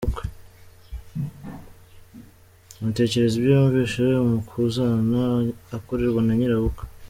Amutekerereza ibyo yumvise umukazana akorerwa na nyirabukwe.